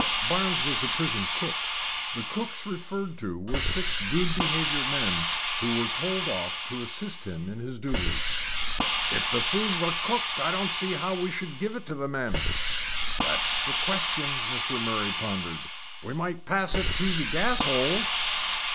Barnes was the prison cook. The cooks referred to were six good behaviour men who were told off to assist him in his duties. "If the food were cooked, I don't see how we should give it to the men." "That's the question." Mr. Murray pondered. "We might pass it through the gas holes."